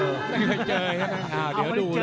ไม่เคยเจอเดี๋ยวดูเลย